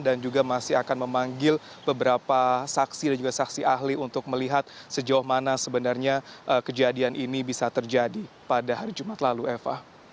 dan juga masih akan memanggil beberapa saksi dan juga saksi ahli untuk melihat sejauh mana sebenarnya kejadian ini bisa terjadi pada hari jumat lalu eva